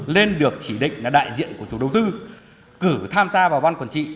lên được chỉ định là đại diện của chủ đầu tư cử tham gia vào ban quản trị